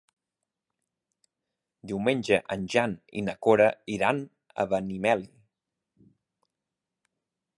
Diumenge en Jan i na Cora iran a Benimeli.